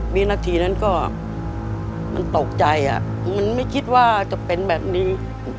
วินาทีนั้นก็มันตกใจมันไม่คิดว่าจะเป็นแบบนี้